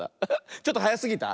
ちょっとはやすぎた？